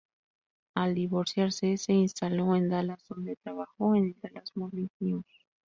Al divorciarse, se instaló en Dallas donde trabajó en el "Dallas Morning News".